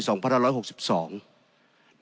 ในฐานะรัฐสภาวนี้นะครับผมอยู่ในกระทรวงนี้ตั้งแต่ปี๒๖๒